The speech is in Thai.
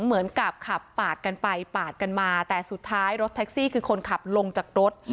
เหมือนกับขับปาดกันไปปาดกันมาแต่สุดท้ายรถแท็กซี่คือคนขับลงจากรถ